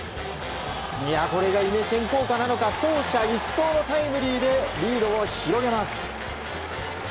これがイメチェン効果なのか走者一掃のタイムリーでリードを広げます。